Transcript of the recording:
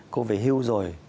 cô về hưu rồi